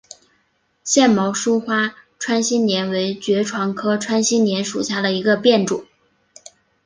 腺毛疏花穿心莲为爵床科穿心莲属下的一个变种。